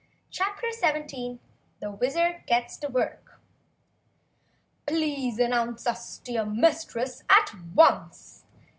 CHAPTER 17 The Wizard Gets to Work "Please announce us to your Mistress at once!"